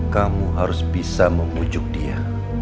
kamu harus bisa membujuk dia